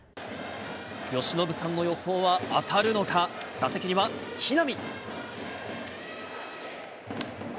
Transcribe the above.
由伸さんの予想は当たるのか、打席には木浪。